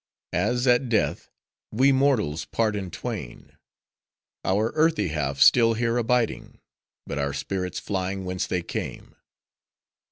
As, at death, we mortals part in twain; our earthy half still here abiding; but our spirits flying whence they came.